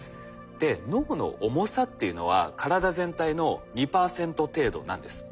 で脳の重さっていうのは体全体の２％程度なんですって。